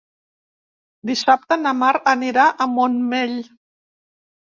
Dissabte na Mar anirà al Montmell.